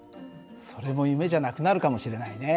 それも夢じゃなくなるかもしれないね。